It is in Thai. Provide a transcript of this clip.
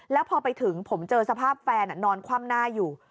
แล้วพอไปถึงผมเจอสภาพแฟนนอนคว่ำหน้าอยู่